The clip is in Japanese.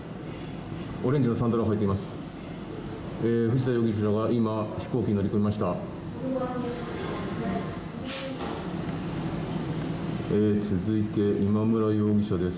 オレンジのサンダルを履いています。